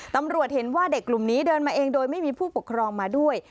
ตำรวจเห็นว่าเด็กกลุ่มนี้เดินมาเองโดยไม่มีผู้ปกครองมาด้วย